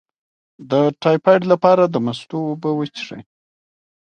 د ټایفایډ لپاره د مستو اوبه وڅښئ